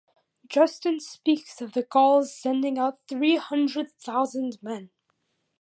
Justin speaks of the Gauls sending out three hundred thousand men.